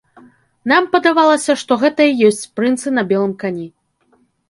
Нам падавалася, што гэта і ёсць прынцы на белым кані.